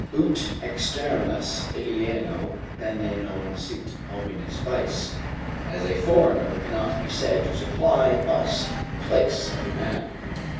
"Ut externus alieno pene non sit hominis vice." ["As a foreigner cannot be said to supply us the place of a man."